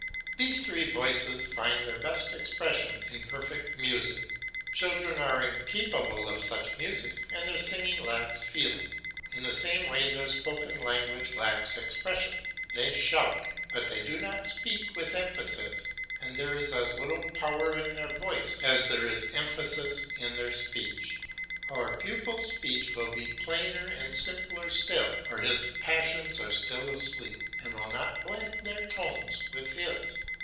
These three voices find their best expression in perfect music. Children are incapable of such music, and their singing lacks feeling. In the same way their spoken language lacks expression; they shout, but they do not speak with emphasis, and there is as little power in their voice as there is emphasis in their speech. Our pupil's speech will be plainer and simpler still, for his passions are still asleep, and will not blend their tones with his.